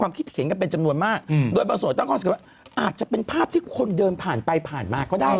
มันชัดมากเลยนะครับ